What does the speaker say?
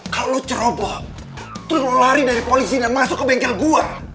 kalo lo ceroboh terus lo lari dari polisi dan masuk ke bengkel gua